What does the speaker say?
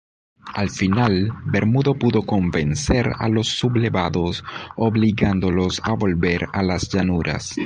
Al final, Bermudo pudo vencer a los sublevados obligándolos a volver a las llanuras.